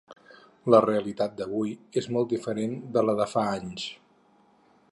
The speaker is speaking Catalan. La realitat d’avui és molt diferent de la de fa anys.